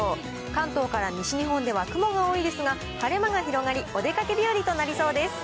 関東から西日本では雲が多いですが、晴れ間が広がり、お出かけ日和となりそうです。